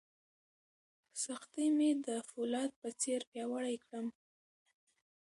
سختۍ مې د فولاد په څېر پیاوړی کړم.